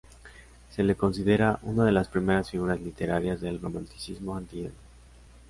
Se le considera una de las primeras figuras literarias del Romanticismo antillano.